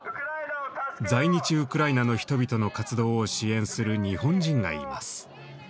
在日ウクライナの人々の活動を支援する日本人がいます。